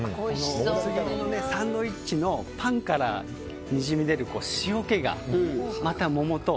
サンドイッチのパンからにじみ出る塩気がまた桃と。